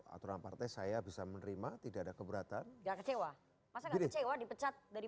aturan partai saya bisa menerima tidak ada keberatan nggak kecewa masa kecewa dipecat dari